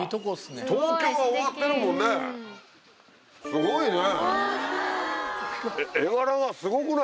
すごいね。